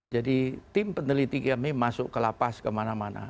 jadi tim peneliti kami masuk ke lapas kemana mana